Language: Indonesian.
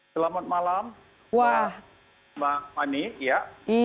selamat malam mbak ani